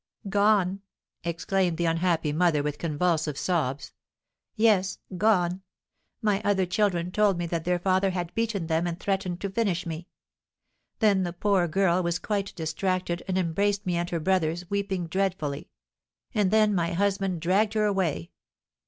"Gone!" exclaimed the unhappy mother, with convulsive sobs. "Yes; gone. My other children told me that their father had beaten them and threatened to finish me. Then the poor girl was quite distracted and embraced me and her brothers, weeping dreadfully; and then my husband dragged her away.